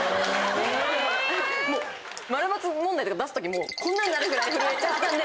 ○×問題とか出す時こんなになるぐらい震えちゃったんで。